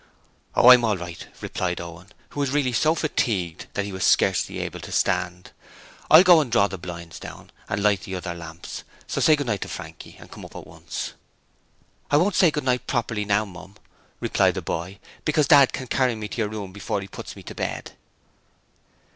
'Oh, I'm all right,' replied Owen, who was really so fatigued that he was scarcely able to stand. 'I'll go and draw the blinds down and light the other lamp; so say good night to Frankie and come at once.' 'I won't say good night properly, now, Mum,' remarked the boy, 'because Dad can carry me into your room before he puts me into bed.'